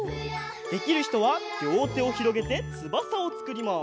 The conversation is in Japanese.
できるひとはりょうてをひろげてつばさをつくります。